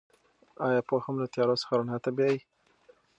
آیا پوهه مو له تیارو څخه رڼا ته بیايي؟